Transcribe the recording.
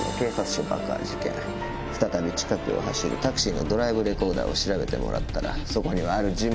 再び近くを走るタクシーのドライブレコーダーを調べてもらったら。